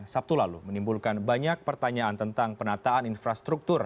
sabtu lalu menimbulkan banyak pertanyaan tentang penataan infrastruktur